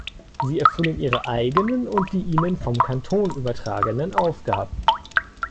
Sie erfüllen ihre eigenen und die ihnen vom Kanton übertragenen Aufgaben.